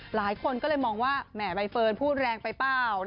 หลายคนก็เลยมองว่าแหมใบเฟิร์นพูดแรงไปเปล่า